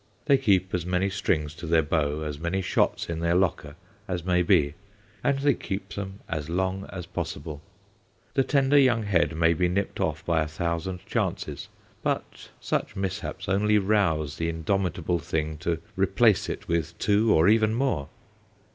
They keep as many strings to their bow, as many shots in their locker, as may be, and they keep them as long as possible. The tender young head may be nipped off by a thousand chances, but such mishaps only rouse the indomitable thing to replace it with two, or even more.